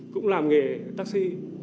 cũng làm nghề taxi